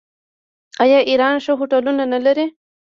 آیا ایران ښه هوټلونه نلري؟